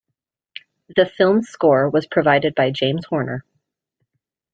The film's score was provided by James Horner.